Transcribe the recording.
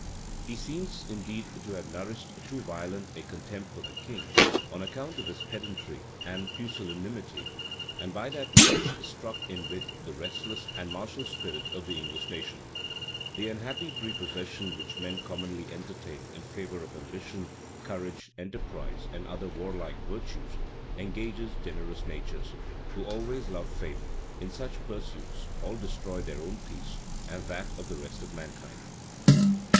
He seems indeed to have nourished too violent a contempt for the king, on account of his pedantry and pusillanimity; and by that means struck in with the restless and martial spirit of the English nation. Had he lived, he had probably promoted the glory, perhaps not the felicity, of his people. The unhappy prepossession which men commonly entertain in favor of ambition, courage, enterprise, and other warlike virtues, engages generous natures, who always love fame, in such pursuits all destroy their own peace, and that of the rest of mankind.